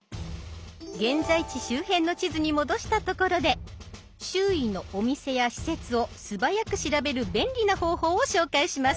現在地周辺の地図に戻したところで周囲のお店や施設をすばやく調べる便利な方法を紹介します。